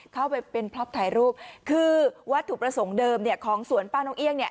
เข้าไปเป็นพล็อปถ่ายรูปคือวัตถุประสงค์เดิมเนี่ยของสวนป้านกเอี่ยงเนี่ย